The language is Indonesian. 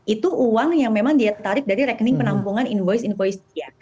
itu uang yang memang dia tarik dari rekening penampungan invoice invoice dia